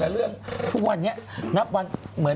เลือกแต่ละเรื่อง